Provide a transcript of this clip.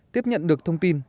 tiếp nhận được thông tin